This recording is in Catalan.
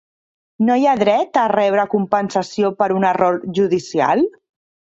No hi ha dret a rebre compensació per un error judicial?